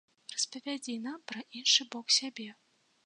Распавядзі нам пра іншы бок сябе.